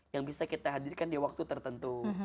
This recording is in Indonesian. yang bisa kita hadirkan di waktu tertentu